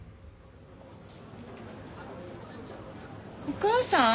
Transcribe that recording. お母さん？